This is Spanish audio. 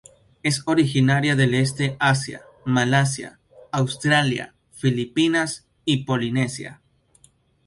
Es originaria del este de Asia, Malasia, Australia, Filipinas y Polinesia.